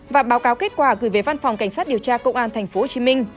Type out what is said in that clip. và báo cáo kết quả gửi về văn phòng cảnh sát điều tra công an tp hcm